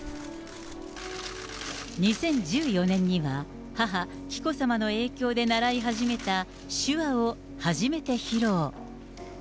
２０１４年には、母、紀子さまの影響で習い始めた手話を初めて披露。